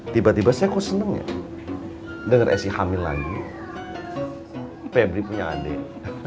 tiba tiba saya kok seneng ya denger si hamil lagi pebri punya adik